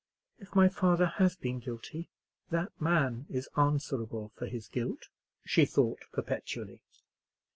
"If my father has been guilty, that man is answerable for his guilt," she thought perpetually.